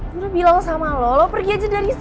gue udah bilang sama lo lo pergi aja dari sini